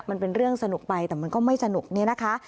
มันเป็นเรื่องสนุกไปแต่มันก็ไม่สนุกเนี่ยนะคะ